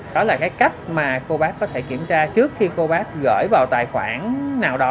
đó là cái cách mà cô bác có thể kiểm tra trước khi cô bác gửi vào tài khoản nào đó